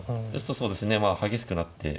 そうですね激しくなって。